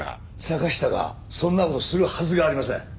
坂下がそんな事するはずがありません。